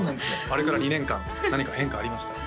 あれから２年間何か変化ありました？